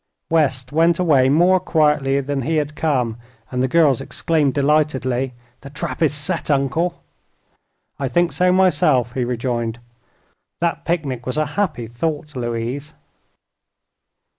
West went away more quietly than he had come, and the girls exclaimed, delightedly: "The trap is set, Uncle!" "I think so, myself," he rejoined. "That picnic was a happy thought, Louise."